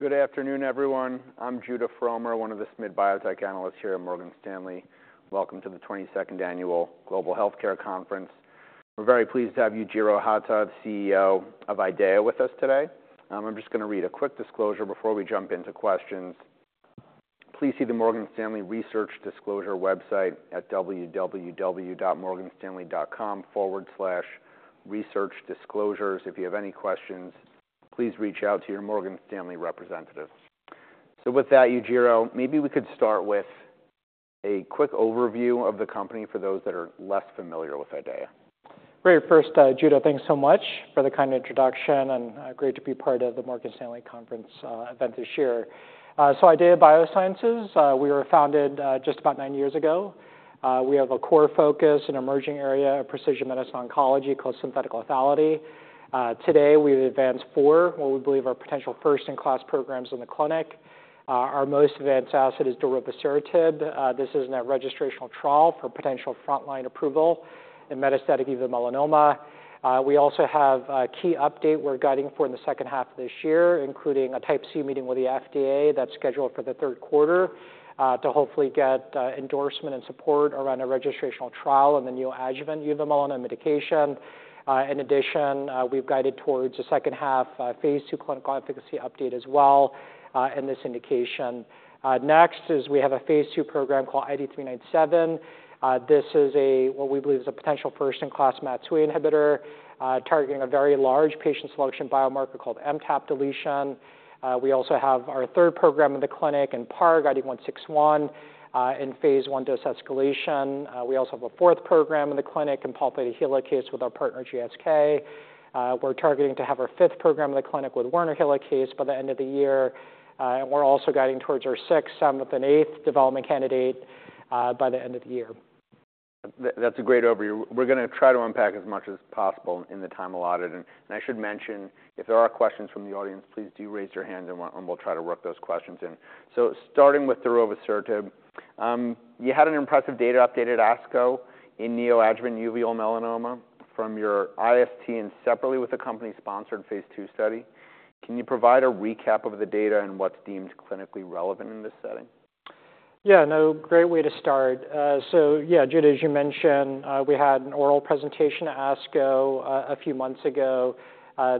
Good afternoon, everyone. I'm Judah Frommer, one of the SMID Cap Biotech analysts here at Morgan Stanley. Welcome to the 22nd annual global healthcare conference. We're very pleased to have Yujiro Hata, the CEO of IDEAYA, with us today. I'm just gonna read a quick disclosure before we jump into questions. Please see the Morgan Stanley Research Disclosure website at www.morganstanley.com/researchdisclosures. If you have any questions, please reach out to your Morgan Stanley representative so with that, Yujiro, maybe we could start with a quick overview of the company for those that are less familiar with IDEAYA. Great. First, Judah, thanks so much for the kind introduction, and, great to be part of the Morgan Stanley conference, event this year. IDEAYA Biosciences, we were founded just about nine years ago. We have a core focus in emerging area of precision medicine oncology, called synthetic lethality. Today, we've advanced four, what we believe are potential first-in-class programs in the clinic. Our most advanced asset is darovasertib. This is in a registrational trial for potential frontline approval in metastatic uveal melanoma. We also have a key update we're guiding for in the second half of this year, including a type C meeting with the FDA that's scheduled for the third quarter, to hopefully get, endorsement and support around a registrational trial in the Neoadjuvant Uveal Melanoma setting. In addition, we've guided towards the second half, phase II clinical efficacy update as well, in this indication. Next is we have a phase II program called IDE397. This is a what we believe is a potential first-in-class MAT2A inhibitor targeting a very large patient selection biomarker called MTAP deletion. We also have our third program in the clinic, in PARP, IDE161, in phase I dose escalation. We also have a fourth program in the clinic in Pol Theta with our partner, GSK. We're targeting to have our fifth program in the clinic with Werner helicase by the end of the year, and we're also guiding towards our sixth, seventh, and eighth development candidate by the end of the year. That's a great overview. We're gonna try to unpack as much as possible in the time allotted. And I should mention, if there are questions from the audience, please do raise your hand, and we'll try to work those questions in. So starting with darovasertib, you had an impressive data update at ASCO in Neoadjuvant Uveal Melanoma from your IST and separately with the company-sponsored phase two study. Can you provide a recap of the data and what's deemed clinically relevant in this setting? Yeah, no, great way to start. So yeah, Judah, as you mentioned, we had an oral presentation at ASCO a few months ago.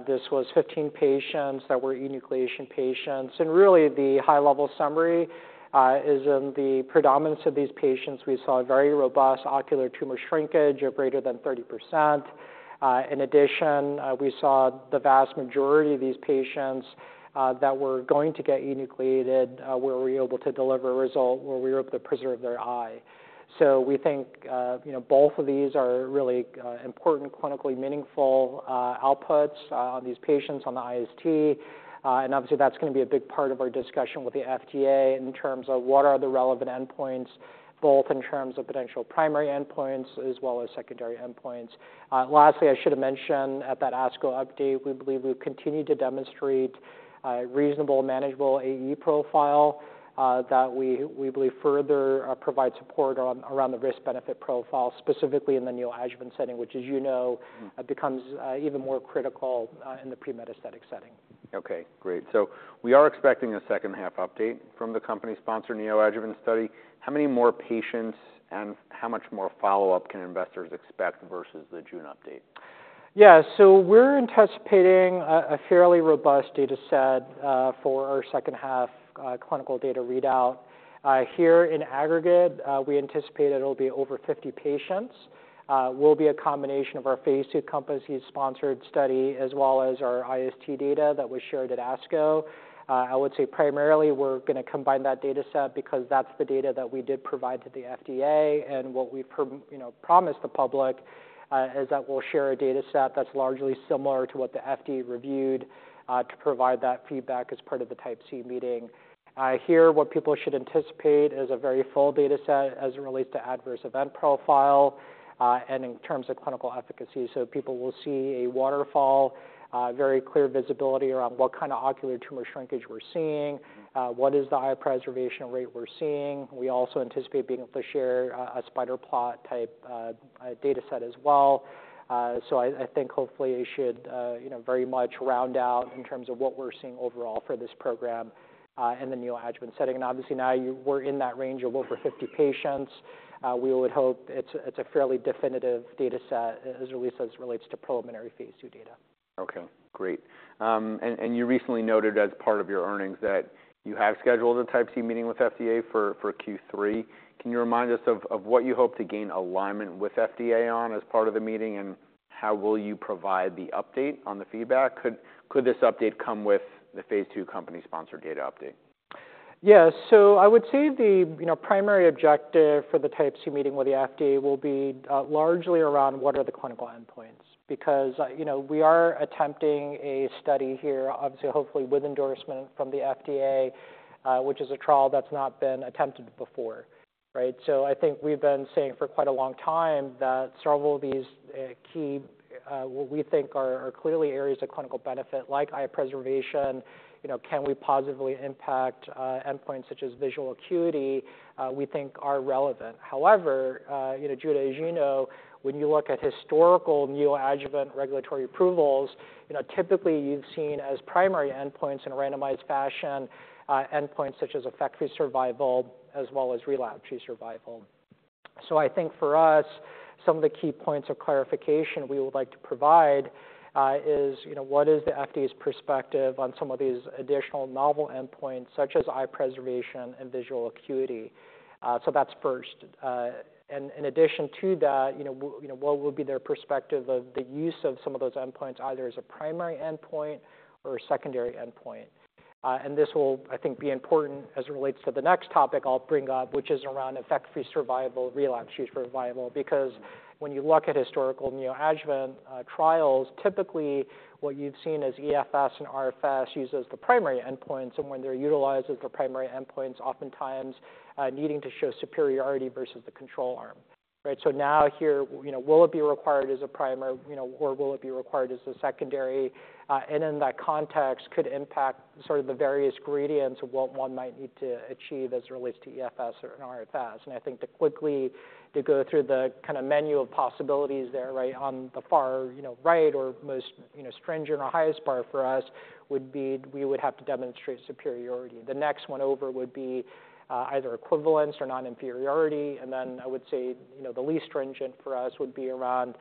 This was 15 patients that were enucleation patients, and really, the high-level summary is in the predominance of these patients. We saw a very robust ocular tumor shrinkage of greater than 30%. In addition, we saw the vast majority of these patients that were going to get enucleated where we were able to deliver a result where we were able to preserve their eye. So we think, you know, both of these are really important, clinically meaningful outputs these patients on the IST. And obviously, that's gonna be a big part of our discussion with the FDA in terms of what are the relevant endpoints, both in terms of potential primary endpoints as well as secondary endpoints. Lastly, I should have mentioned at that ASCO update, we believe we've continued to demonstrate a reasonable, manageable AE profile, that we believe further provide support around the risk-benefit profile, specifically in the neoadjuvant setting, which, as you know... becomes even more critical in the pre-metastatic setting. Okay, great. So we are expecting a second-half update from the company's sponsored neoadjuvant study. How many more patients, and how much more follow-up can investors expect versus the June update? Yeah, so we're anticipating a fairly robust data set for our second-half clinical data readout. Here in aggregate, we anticipate it'll be over 50 patients, will be a combination of our phase II company-sponsored study, as well as our IST data that we shared at ASCO. I would say primarily, we're gonna combine that data set because that's the data that we did provide to the FDA. And what we you know, promised the public is that we'll share a data set that's largely similar to what the FDA reviewed to provide that feedback as part of the Type C meeting. Here, what people should anticipate is a very full data set as it relates to adverse event profile, and in terms of clinical efficacy. People will see a waterfall, very clear visibility around what kind of ocular tumor shrinkage we're seeing-... what is the eye preservation rate we're seeing? We also anticipate being able to share a spider plot type data set as well. So I think hopefully it should, you know, very much round out in terms of what we're seeing overall for this program, in the neoadjuvant setting, and obviously now we're in that range of over 50 patients. We would hope it's a fairly definitive data set as it relates to preliminary phase II data. Okay, great. And you recently noted as part of your earnings that you have scheduled a Type C meeting with FDA for. Can you remind us of what you hope to gain alignment with FDA on as part of the meeting? And how will you provide the update on the feedback? Could this update come with the phase II company sponsor data update? Yeah, so I would say the primary objective for the Type C meeting with the FDA will be largely around what are the clinical endpoints? Because you know, we are attempting a study here, obviously, hopefully with endorsement from the FDA, which is a trial that's not been attempted before, right? So I think we've been saying for quite a long time that several of these key what we think are clearly areas of clinical benefit, like eye preservation, you know, can we positively impact endpoints such as visual acuity, we think are relevant. However, you know, Judah, as you know, when you look at historical neoadjuvant regulatory approvals, you know, typically you've seen as primary endpoints in a randomized fashion endpoints such as event-free survival as well as relapse-free survival.... I think for us, some of the key points of clarification we would like to provide, is, you know, what is the FDA's perspective on some of these additional novel endpoints, such as eye preservation and visual acuity? So that's first. And in addition to that, you know, what would be their perspective of the use of some of those endpoints, either as a primary endpoint or a secondary endpoint? And this will, I think, be important as it relates to the next topic I'll bring up, which is around event-free survival, relapse-free survival, because when you look at historical neoadjuvant, trials, typically what you've seen is EFS and RFS used as the primary endpoints, and when they're utilized as the primary endpoints, oftentimes, needing to show superiority versus the control arm, right? So now here, you know, will it be required as a primary, you know, or will it be required as a secondary? And in that context, could impact sort of the various gradients of what one might need to achieve as it relates to EFS or RFS. And I think to quickly to go through the kind of menu of possibilities there, right on the far, you know, right or most, you know, stringent or highest bar for us, would be, we would have to demonstrate superiority. The next one over would be, either equivalence or non-inferiority, and then I would say, you know, the least stringent for us would be around,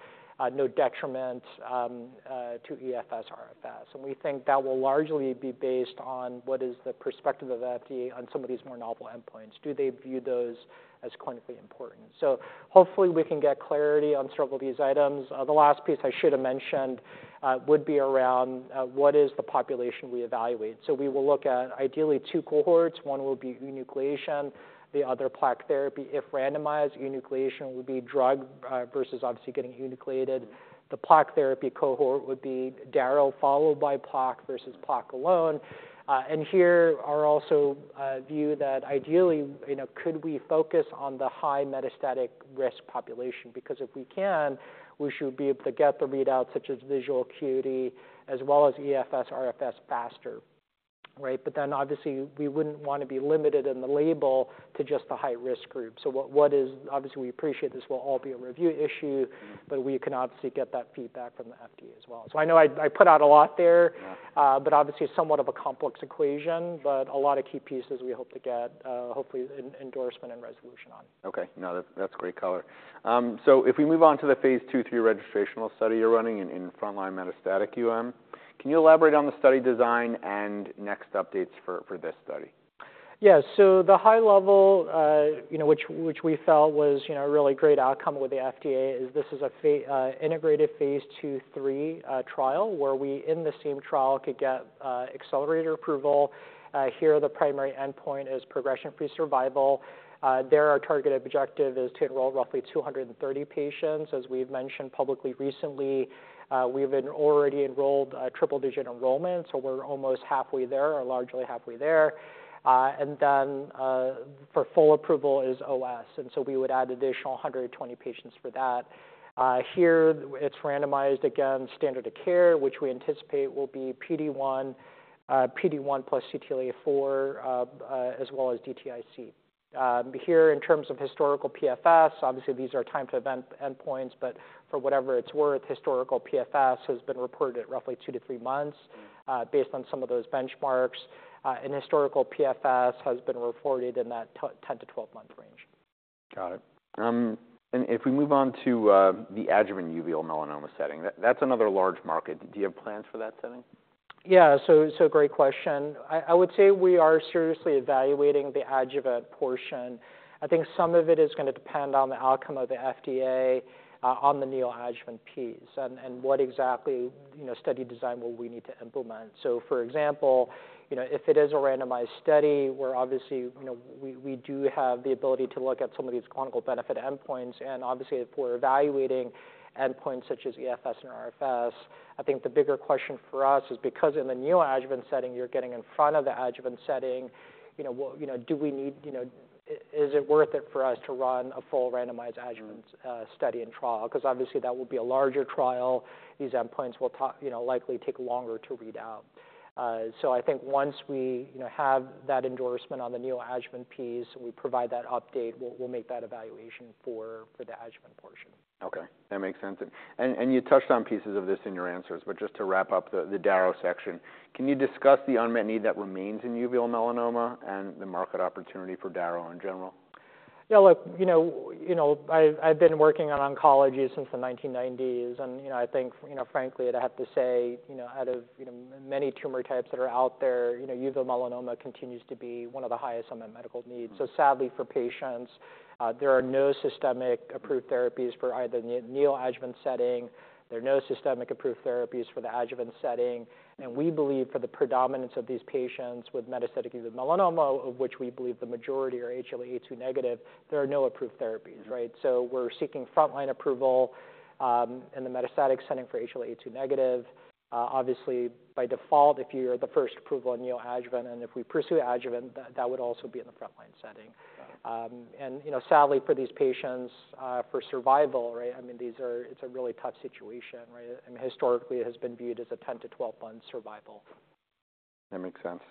no detriment, to EFS, RFS. And we think that will largely be based on what is the perspective of the FDA on some of these more novel endpoints. Do they view those as clinically important? So hopefully, we can get clarity on several of these items. The last piece I should have mentioned would be around what is the population we evaluate? So we will look at, ideally, two cohorts. One will be enucleation, the other plaque therapy. If randomized, enucleation would be drug versus obviously getting enucleated. The plaque therapy cohort would be darovasertib followed by plaque versus plaque alone. And we also view that ideally, you know, could we focus on the high metastatic risk population? Because if we can, we should be able to get the readout, such as visual acuity, as well as EFS, RFS faster, right? But then, obviously, we wouldn't want to be limited in the label to just the high-risk group. So what is-- obviously, we appreciate this will all be a review issue- -but we can obviously get that feedback from the FDA as well. So I know I put out a lot there. Yeah. but obviously somewhat of a complex equation, but a lot of key pieces we hope to get, hopefully an endorsement and resolution on. Okay. No, that's great color. So if we move on to the phase II-III registrational study you're running in frontline metastatic UM, can you elaborate on the study design and next updates for this study? Yeah. So the high level, you know, which we felt was, you know, a really great outcome with the FDA, is this is an integrated phase II/III trial, where we, in the same trial, could get accelerated approval. Here, the primary endpoint is progression-free survival. There, our targeted objective is to enroll roughly 230 patients. As we've mentioned publicly recently, we've been already enrolled a triple digit enrollment, so we're almost halfway there, or largely halfway there. And then, for full approval is OS, and so we would add additional 120 for that. Here, it's randomized against standard of care, which we anticipate will be PD-1, PD-1 plus CTLA-4, as well as DTIC. Here, in terms of historical PFS, obviously, these are time to event endpoints, but for whatever it's worth, historical PFS has been reported at roughly 2 to 3 months. Based on some of those benchmarks, and historical PFS has been reported in that 10 to 12 month range. Got it. And if we move on to the adjuvant uveal melanoma setting, that's another large market. Do you have plans for that setting? Yeah, so great question. I would say we are seriously evaluating the adjuvant portion. I think some of it is going to depend on the outcome of the FDA on the neoadjuvant piece and what exactly, you know, study design will we need to implement. So, for example, you know, if it is a randomized study, where obviously, you know, we do have the ability to look at some of these clinical benefit endpoints, and obviously, if we're evaluating endpoints such as EFS and RFS, I think the bigger question for us is because in the neoadjuvant setting, you're getting in front of the adjuvant setting, you know, do we need. You know, is it worth it for us to run a full randomized adjuvant- study and trial? Because obviously, that will be a larger trial. These endpoints will, you know, likely take longer to read out. So I think once we, you know, have that endorsement on the neoadjuvant piece, and we provide that update, we'll make that evaluation for the adjuvant portion. Okay, that makes sense. And you touched on pieces of this in your answers, but just to wrap up the Daro section, can you discuss the unmet need that remains in uveal melanoma and the market opportunity for Daro in general? Yeah, look, you know, I've been working on oncology since the 1990s, and, you know, I think, frankly, I'd have to say, out of many tumor types that are out there, you know, uveal melanoma continues to be one of the highest unmet medical needs. Sadly for patients, there are no systemic approved therapies for either neoadjuvant setting. There are no systemic approved therapies for the adjuvant setting, and we believe for the predominance of these patients with metastatic uveal melanoma, of which we believe the majority are HLA-A2 negative, there are no approved therapies, right? So we're seeking frontline approval, in the metastatic setting for HLA-A2 negative. Obviously, by default, if you're the first approval in neoadjuvant, and if we pursue adjuvant, that would also be in the frontline setting. Got it. You know, sadly for these patients, for survival, right, I mean, these are. It's a really tough situation, right? I mean, historically, it has been viewed as a 10-12 month survival. That makes sense.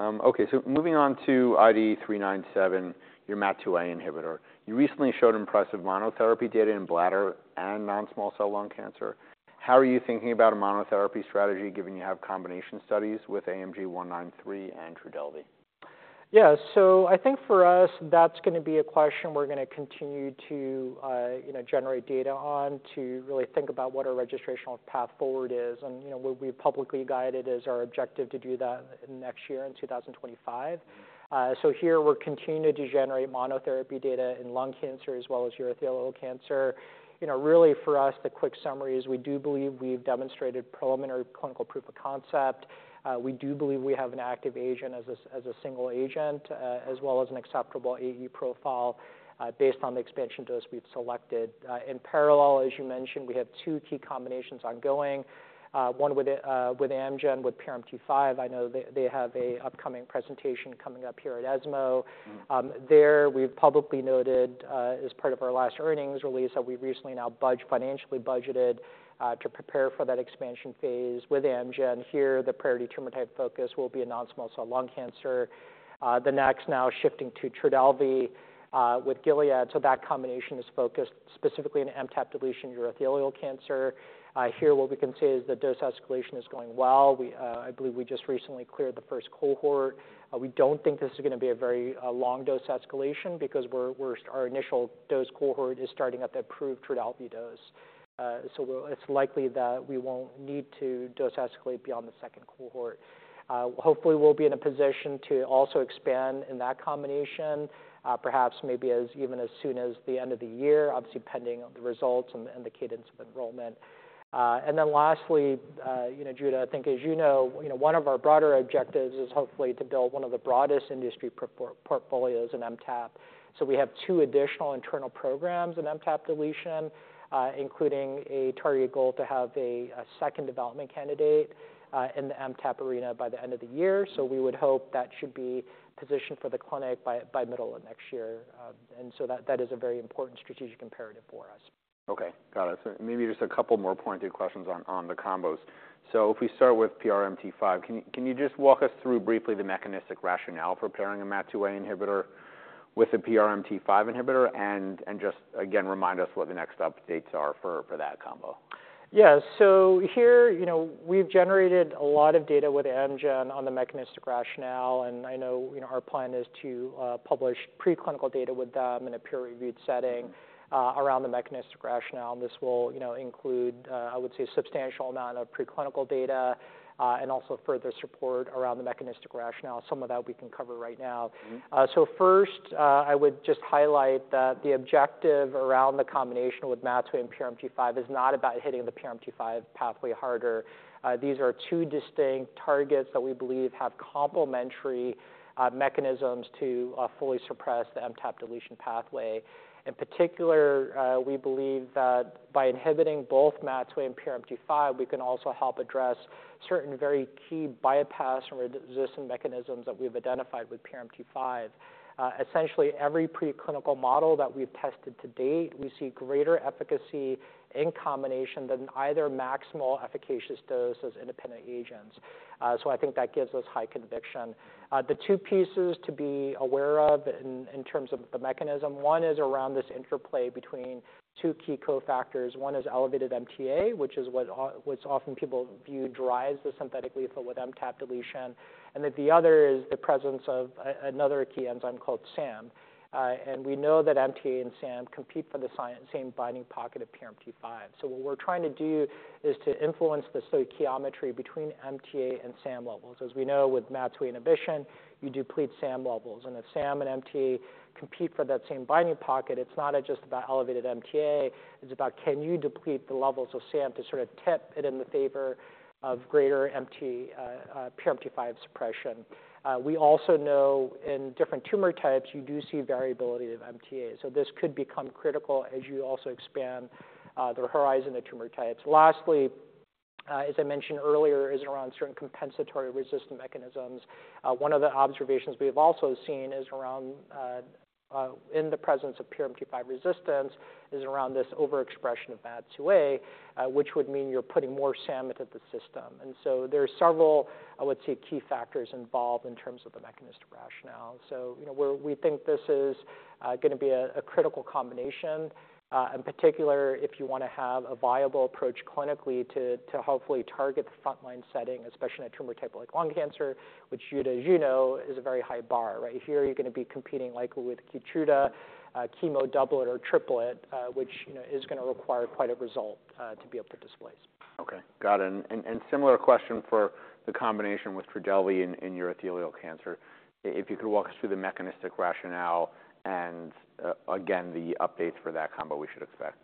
Okay, so moving on to IDE397, your MAT2A inhibitor. You recently showed impressive monotherapy data in bladder and non-small cell lung cancer. How are you thinking about a monotherapy strategy, given you have combination studies with AMG 193 and Trodelvy?... Yeah, so I think for us, that's going to be a question we're going to continue to you know generate data on, to really think about what our registrational path forward is, and you know we'll be publicly guided as our objective to do that next year in 2025, so here we're continuing to generate monotherapy data in lung cancer as well as urothelial cancer. You know really for us the quick summary is we do believe we've demonstrated preliminary clinical proof of concept. We do believe we have an active agent as a single agent as well as an acceptable AE profile based on the expansion dose we've selected. In parallel as you mentioned we have two key combinations ongoing one with Amgen with PRMT5. I know they have an upcoming presentation coming up here at ESMO. There we've publicly noted, as part of our last earnings release, that we've recently now financially budgeted to prepare for that expansion phase with Amgen. Here, the priority tumor type focus will be non-small cell lung cancer. The next now shifting to Trodelvy with Gilead. So that combination is focused specifically on MTAP deletion urothelial cancer. Here what we can say is the dose escalation is going well. We, I believe we just recently cleared the first cohort. We don't think this is going to be a very long dose escalation because we're our initial dose cohort is starting at the approved Trodelvy dose. So we'll it's likely that we won't need to dose escalate beyond the second cohort. Hopefully, we'll be in a position to also expand in that combination, perhaps, maybe as even as soon as the end of the year, obviously, pending on the results and the cadence of enrollment. And then lastly, you know, Judah, I think, as you know, one of our broader objectives is hopefully to build one of the broadest industry portfolios in MTAP. So we have two additional internal programs in MTAP deletion, including a target goal to have a second development candidate in the MTAP arena by the end of the year. So we would hope that should be positioned for the clinic by middle of next year. And so that is a very important strategic imperative for us. Okay, got it. So maybe just a couple more pointed questions on the combos. So if we start with PRMT5, can you just walk us through briefly the mechanistic rationale for pairing a MAT2A inhibitor with a PRMT5 inhibitor? And just again, remind us what the next updates are for that combo. Yeah. So here, you know, we've generated a lot of data with Amgen on the mechanistic rationale, and I know, you know, our plan is to publish preclinical data with them in a peer-reviewed setting around the mechanistic rationale. And this will, you know, include, I would say, a substantial amount of preclinical data, and also further support around the mechanistic rationale, some of that we can cover right now. Mm-hmm. So first, I would just highlight that the objective around the combination with MAT2A and PRMT5 is not about hitting the PRMT5 pathway harder. These are two distinct targets that we believe have complementary mechanisms to fully suppress the MTAP deletion pathway. In particular, we believe that by inhibiting both MAT2A and PRMT5, we can also help address certain very key bypass and resistant mechanisms that we've identified with PRMT5. Essentially, every preclinical model that we've tested to date, we see greater efficacy in combination than either maximal efficacious dose as independent agents. So I think that gives us high conviction. The two pieces to be aware of in terms of the mechanism, one is around this interplay between two key cofactors. One is elevated MTA, which is what's often people view drives the synthetic lethal with MTAP deletion, and then the other is the presence of another key enzyme called SAM. We know that MTA and SAM compete for the same binding pocket of PRMT5. What we're trying to do is to influence the stoichiometry between MTA and SAM levels. As we know, with MAT2A inhibition, you deplete SAM levels, and if SAM and MTA compete for that same binding pocket, it's not just about elevated MTA, it's about can you deplete the levels of SAM to sort of tip it in the favor of greater PRMT5 suppression. We also know in different tumor types, you do see variability of MTA, so this could become critical as you also expand the horizon of tumor types. Lastly, as I mentioned earlier, is around certain compensatory resistant mechanisms. One of the observations we have also seen is around, in the presence of PRMT5 resistance, is around this overexpression of MAT2A, which would mean you're putting more SAM into the system. And so there are several, I would say, key factors involved in terms of the mechanistic rationale. So you know, we think this is going to be a critical combination, in particular, if you want to have a viable approach clinically to hopefully target the frontline setting, especially in a tumor type like lung cancer, which, Judah, as you know, is a very high bar, right? Here, you're going to be competing likely with KEYTRUDA, chemo doublet or triplet, which, you know, is going to require quite a result to be able to displace. Okay, got it. And similar question for the combination with Trodelvy in urothelial cancer. If you could walk us through the mechanistic rationale and again, the updates for that combo we should expect.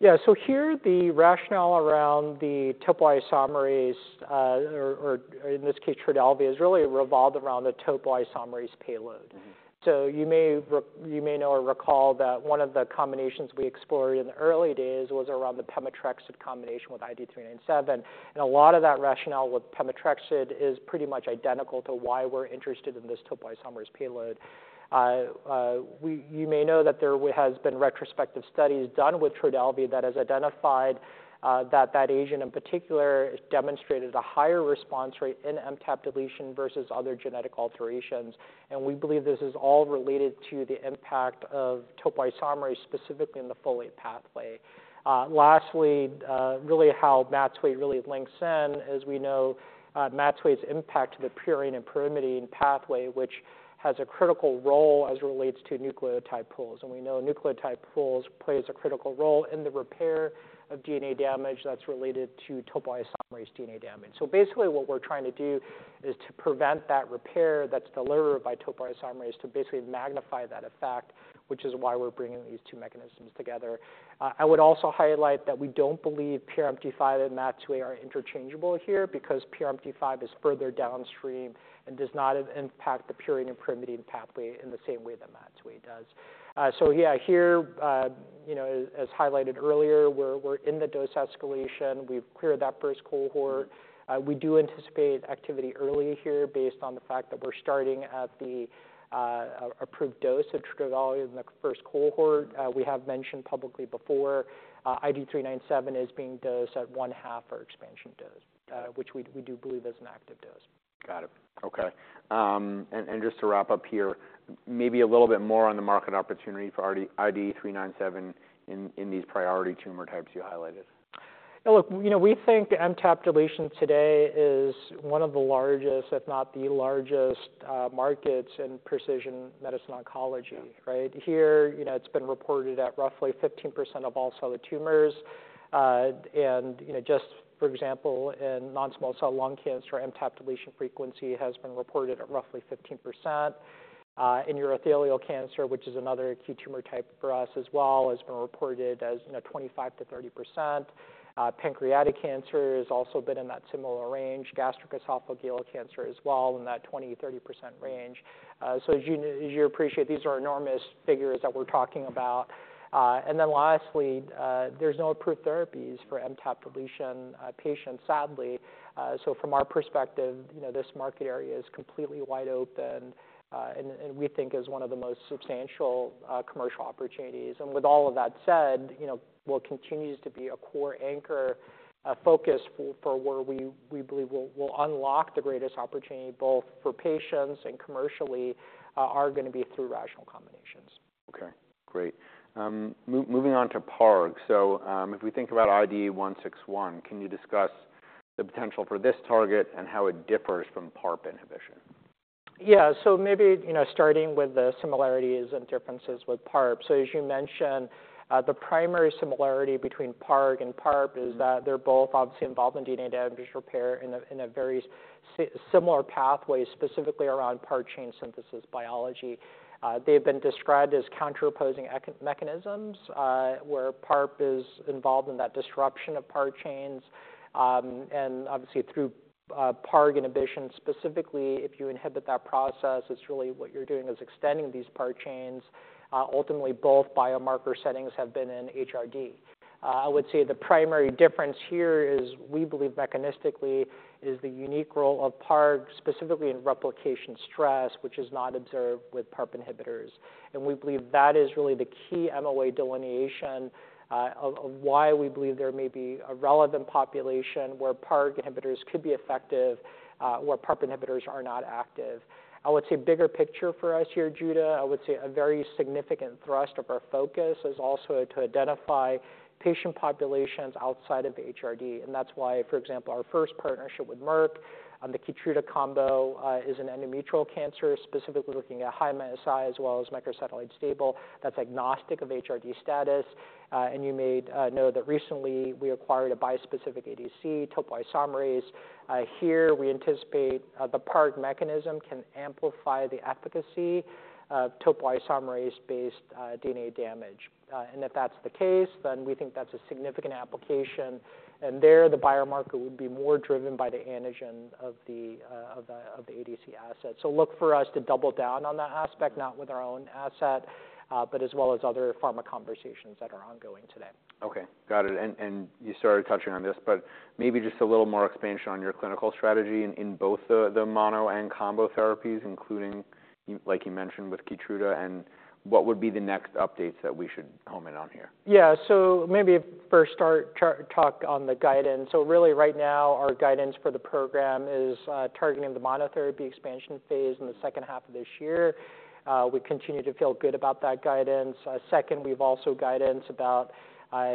Yeah. Here the rationale around the topoisomerase, or in this case, Trodelvy, is really revolved around the topoisomerase payload. Mm-hmm. So you may know or recall that one of the combinations we explored in the early days was around the pemetrexed combination with IDE397. And a lot of that rationale with pemetrexed is pretty much identical to why we're interested in this topoisomerase payload. We you may know that there has been retrospective studies done with Trodelvy that has identified that agent in particular has demonstrated a higher response rate in MTAP deletion versus other genetic alterations. And we believe this is all related to the impact of topoisomerase, specifically in the folate pathway. Lastly, really how MAT2 really links in, as we know, MAT2's impact to the purine and pyrimidine pathway, which has a critical role as it relates to nucleotide pools. And we know nucleotide pools plays a critical role in the repair of DNA damage that's related to topoisomerase DNA damage. So basically, what we're trying to do is to prevent that repair that's delivered by topoisomerase, to basically magnify that effect, which is why we're bringing these two mechanisms together. I would also highlight that we don't believe PRMT5 and MAT2 are interchangeable here, because PRMT5 is further downstream and does not impact the purine and pyrimidine pathway in the same way that MAT2 does. So yeah, here, you know, as highlighted earlier, we're in the dose escalation. We've cleared that first cohort. We do anticipate activity early here based on the fact that we're starting at the approved dose of Trodelvy in the first cohort. We have mentioned publicly before, IDE397 is being dosed at one half our expansion dose, which we do believe is an active dose. Got it. Okay, and just to wrap up here, maybe a little bit more on the market opportunity for IDE397 in these priority tumor types you highlighted. Yeah, look, you know, we think MTAP deletion today is one of the largest, if not the largest, markets in precision medicine oncology. Yeah. Right? Here, you know, it's been reported at roughly 15% of all solid tumors, and you know, just for example, in non-small cell lung cancer, MTAP deletion frequency has been reported at roughly 15%. In urothelial cancer, which is another key tumor type for us as well, has been reported as, you know, 25%-30%. Pancreatic cancer has also been in that similar range. Gastric esophageal cancer as well, in that 20%-30% range. So as you appreciate, these are enormous figures that we're talking about, and then lastly, there's no approved therapies for MTAP deletion patients, sadly. So from our perspective, you know, this market area is completely wide open, and we think is one of the most substantial commercial opportunities. With all of that said, you know, what continues to be a core anchor focus for where we believe will unlock the greatest opportunity, both for patients and commercially, are going to be through rational combinations. Okay, great. Moving on to PARG. So, if we think about IDE161, can you discuss the potential for this target and how it differs from PARP inhibition? Yeah, so maybe, you know, starting with the similarities and differences with PARP. So as you mentioned, the primary similarity between PARG and PARP is that they're both obviously involved in DNA damage repair in a very similar pathway, specifically around PAR chain synthesis biology. They've been described as counter-opposing mechanisms, where PARP is involved in that disruption of PAR chains, and obviously, through PARG inhibition, specifically, if you inhibit that process, it's really what you're doing is extending these PAR chains. Ultimately, both biomarker settings have been in HRD. I would say the primary difference here is, we believe mechanistically, is the unique role of PARG, specifically in replication stress, which is not observed with PARP inhibitors. We believe that is really the key MOA delineation of why we believe there may be a relevant population where PARG inhibitors could be effective where PARP inhibitors are not active. I would say bigger picture for us here, Judah, I would say a very significant thrust of our focus is also to identify patient populations outside of HRD. That's why, for example, our first partnership with Merck on the KEYTRUDA combo is an endometrial cancer, specifically looking at high MSI, as well as microsatellite stable, that's agnostic of HRD status. You may know that recently we acquired a bispecific ADC topoisomerase. Here, we anticipate the PARG mechanism can amplify the efficacy of topoisomerase-based DNA damage. And if that's the case, then we think that's a significant application, and there, the biomarker would be more driven by the antigen of the ADC asset. So look for us to double down on that aspect, not with our own asset, but as well as other pharma conversations that are ongoing today. Okay, got it. And, and you started touching on this, but maybe just a little more expansion on your clinical strategy in, in both the, the mono and combo therapies, including, you- like you mentioned, with KEYTRUDA, and what would be the next updates that we should home in on here? Yeah. So maybe first start, chart talk on the guidance. So really right now, our guidance for the program is targeting the monotherapy expansion phase in the second half of this year. We continue to feel good about that guidance. Second, we've also guidance about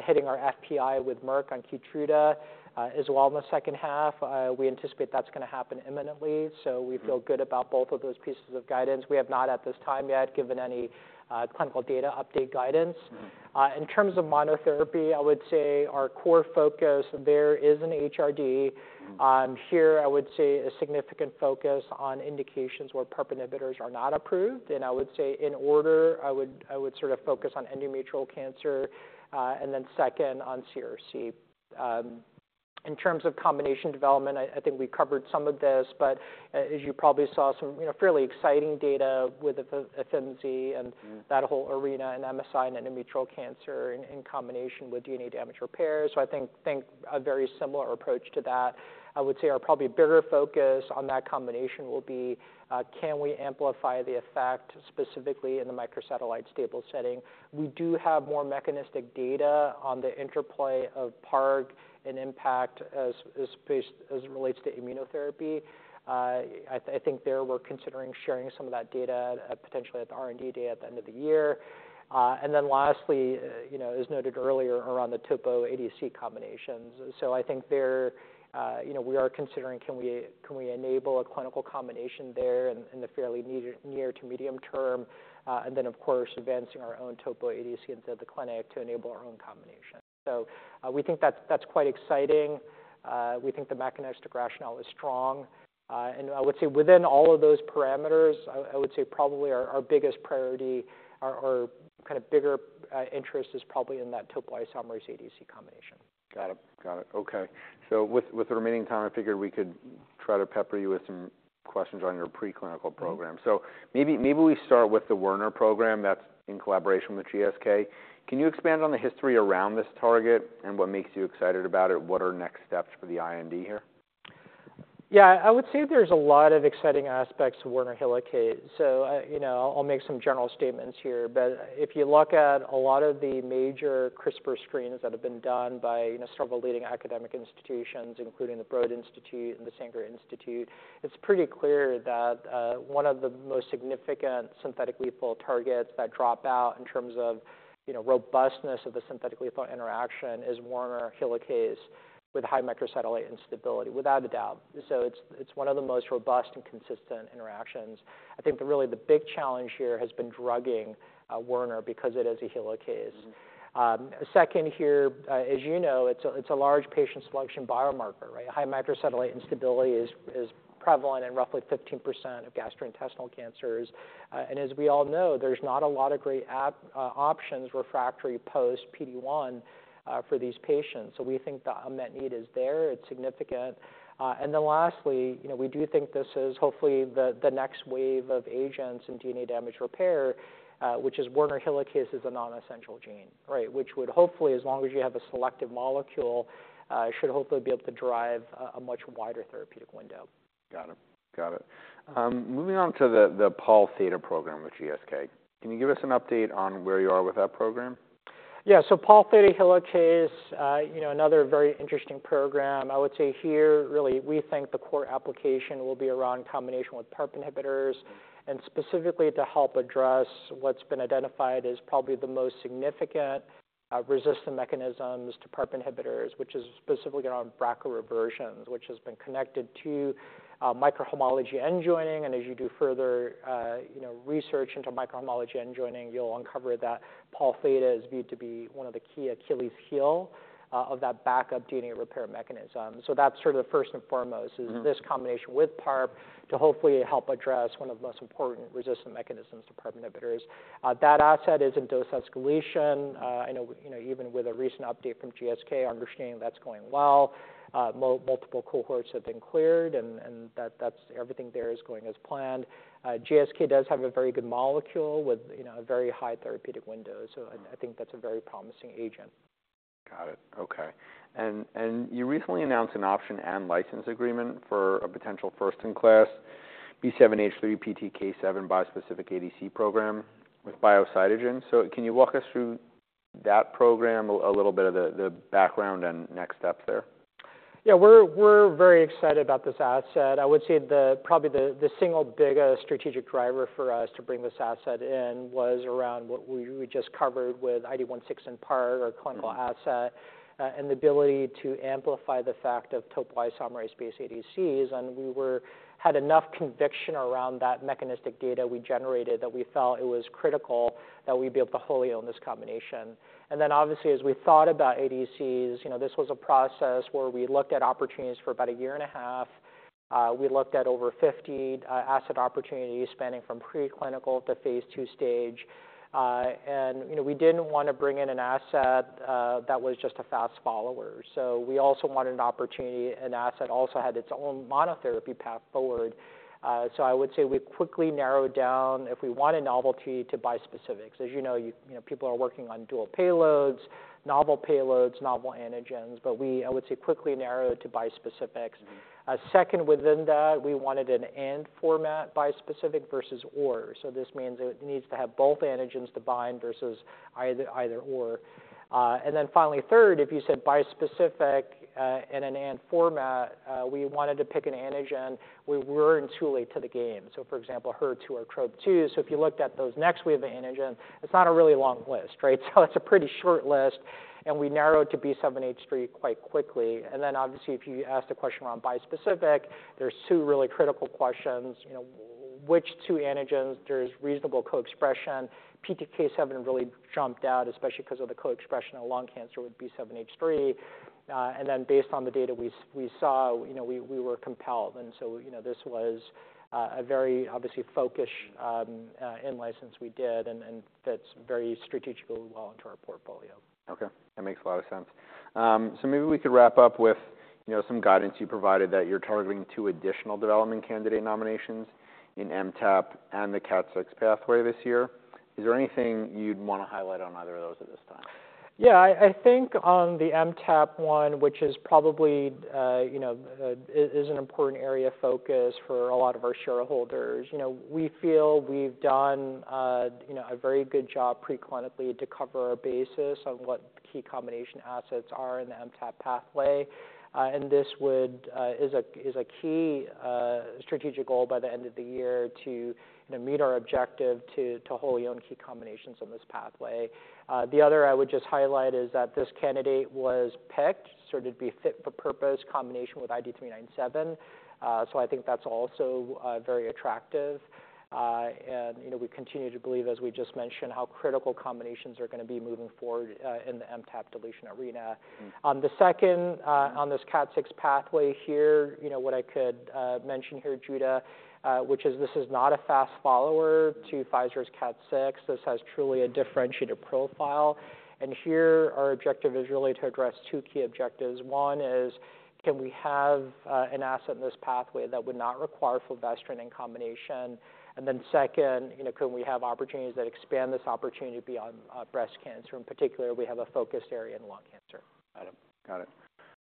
hitting our FPI with Merck on KEYTRUDA as well in the second half. We anticipate that's going to happen imminently, so we feel good about both of those pieces of guidance. We have not, at this time yet, given any clinical data update guidance. Mm-hmm. In terms of monotherapy, I would say our core focus there is in HRD. Mm-hmm. Here, I would say a significant focus on indications where PARP inhibitors are not approved, and I would say in order, I would sort of focus on endometrial cancer, and then second, on CRC. In terms of combination development, I think we covered some of this, but, as you probably saw, some, you know, fairly exciting data with Imfinzi- Mm-hmm. -and that whole arena in MSI and endometrial cancer in combination with DNA damage repair. So I think a very similar approach to that. I would say our probably bigger focus on that combination will be, can we amplify the effect, specifically in the microsatellite stable setting? We do have more mechanistic data on the interplay of PARP and impact as based, as it relates to immunotherapy. I think there we're considering sharing some of that data at, potentially at the R&D day at the end of the year. And then lastly, you know, as noted earlier, around the topo ADC combinations. So I think there, you know, we are considering can we enable a clinical combination there in the fairly near to medium term? And then, of course, advancing our own topo ADC into the clinic to enable our own combination. So, we think that's quite exciting. We think the mechanistic rationale is strong. And I would say within all of those parameters, I would say probably our biggest priority, our kind of bigger interest is probably in that topoisomerase ADC combination. Got it. Okay. So with the remaining time, I figured we could try to pepper you with some questions on your preclinical program. Mm-hmm. So maybe we start with the Werner program that's in collaboration with GSK. Can you expand on the history around this target and what makes you excited about it? What are next steps for the IND here? Yeah, I would say there's a lot of exciting aspects to Werner helicase. So, you know, I'll make some general statements here. But if you look at a lot of the major CRISPR screens that have been done by, you know, several leading academic institutions, including the Broad Institute and the Sanger Institute, it's pretty clear that, one of the most significant synthetic lethal targets that drop out in terms of, you know, robustness of the synthetic lethal interaction is Werner helicase with high microsatellite instability, without a doubt. So it's one of the most robust and consistent interactions. I think the really... the big challenge here has been drugging, Werner because it is a helicase. Mm-hmm. Second here, as you know, it's a large patient selection biomarker, right? High microsatellite instability is prevalent in roughly 15% of gastrointestinal cancers, and as we all know, there's not a lot of great options refractory post-PD-1 for these patients. So we think the unmet need is there, it's significant, and then lastly, you know, we do think this is hopefully the next wave of agents in DNA damage repair, which is Werner helicase is a non-essential gene, right? Which would hopefully, as long as you have a selective molecule, should hopefully be able to drive a much wider therapeutic window. Got it. Got it. Moving on to the Pol Theta program with GSK. Can you give us an update on where you are with that program? Yeah, so Pol Theta Helicase, you know, another very interesting program. I would say here, really, we think the core application will be around combination with PARP inhibitors- Mm-hmm. and specifically to help address what's been identified as probably the most significant resistant mechanisms to PARP inhibitors, which is specifically around BRCA reversions, which has been connected to microhomology-end joining. And as you do further you know research into microhomology-end joining, you'll uncover that Pol Theta is viewed to be one of the key Achilles heel of that backup DNA repair mechanism. So that's sort of first and foremost- Mm-hmm... is this combination with PARP to hopefully help address one of the most important resistant mechanisms to PARP inhibitors. That asset is in dose escalation. I know, you know, even with a recent update from GSK, our understanding that's going well. Multiple cohorts have been cleared, and that's everything there is going as planned. GSK does have a very good molecule with, you know, a very high therapeutic window, so I think that's a very promising agent. Got it. Okay. And you recently announced an option and license agreement for a potential first-in-class B7-H3 PTK7 bispecific ADC program with Biocytogen. So can you walk us through that program, a little bit of the background and next steps there? Yeah, we're very excited about this asset. I would say... probably the single biggest strategic driver for us to bring this asset in was around what we just covered with IDE161 and PARP, our clinical asset- Mm-hmm... and the ability to amplify the effect of topoisomerase-based ADCs. And we had enough conviction around that mechanistic data we generated, that we felt it was critical that we be able to wholly own this combination. And then obviously, as we thought about ADCs, you know, this was a process where we looked at opportunities for about a year and a half. We looked at over 50 asset opportunities, spanning from preclinical to phase II stage. And, you know, we didn't want to bring in an asset that was just a fast follower, so we also wanted an opportunity, an asset, also had its own monotherapy path forward. So I would say we quickly narrowed down if we wanted novelty to bispecifics. As you know, you know, people are working on dual payloads, novel payloads, novel antigens, but we, I would say, quickly narrowed to bispecifics. Mm-hmm. Second within that, we wanted an "and" format bispecific versus "or." So this means it needs to have both antigens to bind versus either, either or. And then finally, third, if you said bispecific, in an "and" format, we wanted to pick an antigen where we're truly in the game. So, for example, HER2 or TROP-2. So if you looked at those next wave antigens, it's not a really long list, right? So it's a pretty short list, and we narrowed to B7-H3 quite quickly. And then, obviously, if you asked a question around bispecific, there's two really critical questions, you know, which two antigens there's reasonable co-expression? PTK7 really jumped out, especially because of the co-expression of lung cancer with B7-H3. And then, based on the data we saw, you know, we were compelled, and so, you know, this was a very obviously focused in-license we did, and that's very strategically well into our portfolio. Okay, that makes a lot of sense. So maybe we could wrap up with, you know, some guidance you provided, that you're targeting two additional development candidate nominations in MTAP and the KAT6 pathway this year. Is there anything you'd want to highlight on either of those at this time? Yeah, I think on the MTAP one, which is probably, you know, is an important area of focus for a lot of our shareholders. You know, we feel we've done, you know, a very good job preclinically to cover our bases on what key combination assets are in the MTAP pathway. And this is a key strategic goal by the end of the year to, you know, meet our objective to wholly own key combinations on this pathway. The other I would just highlight is that this candidate was picked sort of to be a fit for purpose combination with IDE397. So I think that's also very attractive. And, you know, we continue to believe, as we just mentioned, how critical combinations are going to be moving forward in the MTAP deletion arena. Mm-hmm. On the second, on this KAT6 pathway here, you know, what I could mention here, Judah, which is, this is not a fast follower to Pfizer's KAT6. This has truly a differentiated profile. And here, our objective is really to address two key objectives. One is, can we have, an asset in this pathway that would not require fulvestrant in combination? And then second, you know, can we have opportunities that expand this opportunity beyond, breast cancer? In particular, we have a focused area in lung cancer. Got it. Got it.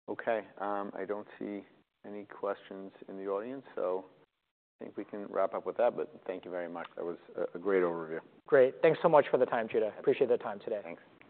Okay, I don't see any questions in the audience, so I think we can wrap up with that, but thank you very much. That was a great overview. Great. Thanks so much for the time, Judah. Appreciate the time today. Thanks.